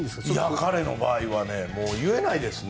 彼の場合は言えないですね